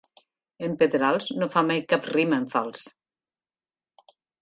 En Pedrals no fa mai cap rima en fals.